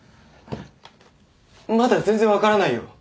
まだ全然分からないよ。